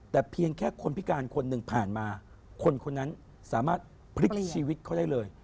แต่เพียงแค่คนพิการคนหนึ่งผ่านมาคนคนนั้นสามารถพลิกชีวิตเขาได้เลย